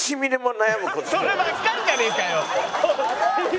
そればっかりじゃねえかよ！